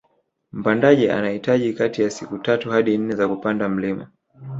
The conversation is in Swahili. Mpandaji anahitaji kati ya siku tatu hadi nne za kupanda mlima